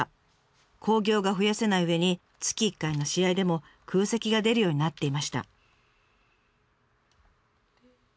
興行が増やせないうえに月１回の試合でも空席が出るようになっていました。